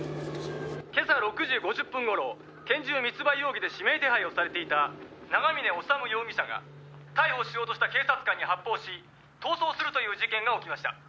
「今朝６時５０分頃拳銃密売容疑で指名手配をされていた長嶺修容疑者が逮捕しようとした警察官に発砲し逃走するという事件が起きました」